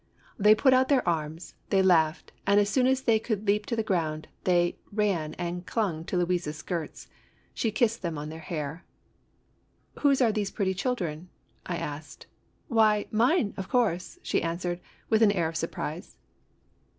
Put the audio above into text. They put out their arms, they laughed ; and, as soon as they could leap to the ground, they ran and clung to Louise's skirts. She kissed them on their hair. " Whose are these pretty children ?" I asked. " Why, mine, of course !" she answered, with an air of surprise.